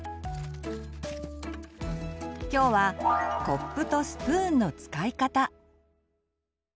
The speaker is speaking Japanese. きょうは「コップとスプーンの使い方」。